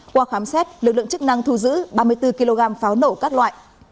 qua khám xét lực lượng chức năng thu giữ ba mươi bốn kg pháo nổ các loại